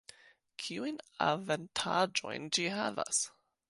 Kiujn avantaĝojn ĝi havas?